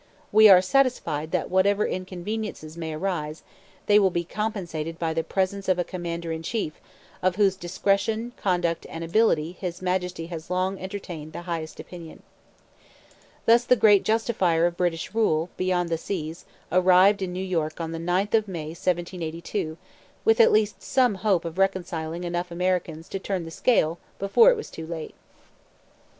We are satisfied that whatever inconveniences may arise they will be compensated by the presence of a commander in chief of whose discretion, conduct, and ability His Majesty has long entertained the highest opinion.' Thus the great justifier of British rule beyond the seas arrived in New York on the 9th of May 1782 with at least some hope of reconciling enough Americans to turn the scale before it was too late.